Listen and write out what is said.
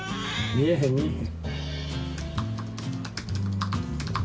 見えへん見えへん。